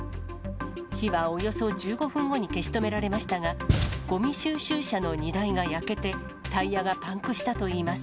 火はおよそ１５分後に消し止められましたが、ごみ収集車の荷台が焼けて、タイヤがパンクしたといいます。